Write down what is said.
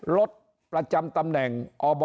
ลดประจำตำแหน่ง